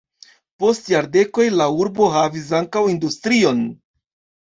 Post jardekoj la urbo havis ankaŭ industrion.